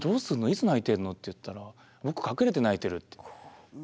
いつ泣いてるの？」って言ったら「僕隠れて泣いてる」って。